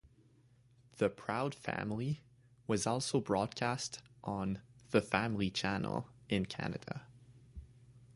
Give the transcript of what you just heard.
"The Proud Family" was also broadcast on The Family Channel in Canada.